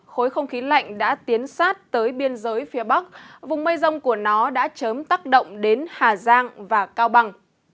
khối không khí lạnh đã tiến sát tới biên giới phía bắc vùng mây rông của nó đã chớm tác động đến hà giang và cao bằng